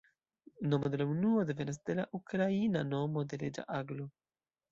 Nomo de la unuo devenas de la ukraina nomo de reĝa aglo.